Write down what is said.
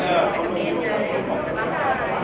อันดับสุดของเมืองอ